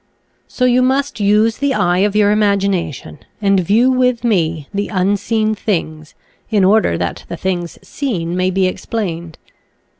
So you must use the eye of your imagination and view with me the unseen things in order that the things seen may be explained.